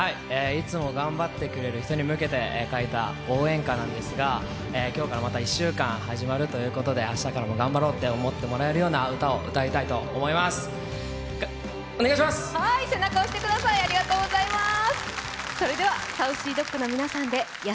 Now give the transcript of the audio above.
いつも頑張ってくれる人に向けて書いた、応援歌なんですが今日からまた１週間始まるということで明日からも頑張ろうって思ってもらえるような歌を頑張ります！